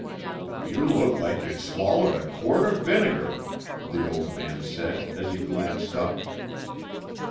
"You look like you'd swallowed a quart of vinegar," the old man said as he glanced up.